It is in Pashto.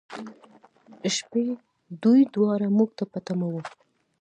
شپې، دوی دواړه موږ ته په تمه و.